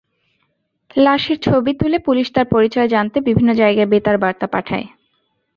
লাশের ছবি তুলে পুলিশ তাঁর পরিচয় জানতে বিভিন্ন জায়গায় বেতার বার্তা পাঠায়।